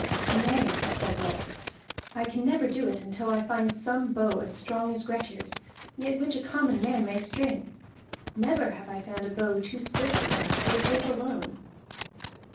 "Nay," said Rolf. "I can never do it until I find some bow as strong as Grettir's, yet which a common man may string. Never have I found a bow too stiff for me, save his alone."